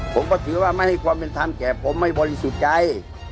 ผมก็ถือว่าไม่ให้ความเป็นธรรมแก่ผมไม่บริสุทธิ์ใจ